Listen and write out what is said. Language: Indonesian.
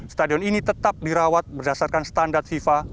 stadion ini tetap dirawat berdasarkan standar fifa